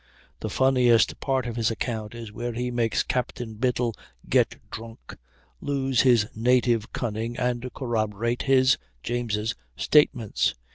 The funniest part of his account is where he makes Captain Biddle get drunk, lose his "native cunning," and corroborate his (James') statements.